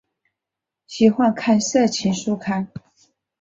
喜欢看色情书刊。